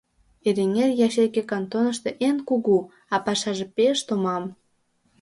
— Эреҥер ячейке кантонышто эн кугу, а пашаже пеш томам.